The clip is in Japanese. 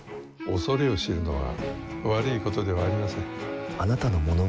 恐れを知るのは悪いことではありません。